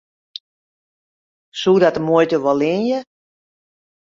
Soe dat de muoite wol leanje?